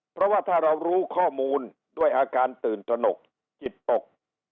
เพราะว่าถ้าเรารู้ข้อมูลด้วยอาการตื่นตระหนกจิตตก